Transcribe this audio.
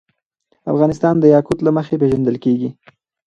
افغانستان د یاقوت له مخې پېژندل کېږي.